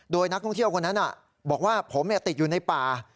โดยนักท่องเที่ยวคนนั้นบอกว่าผมติดอยู่ในป่า